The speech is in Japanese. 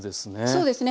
そうですね。